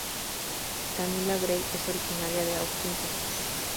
Camila Grey es originaria de Austin, Texas.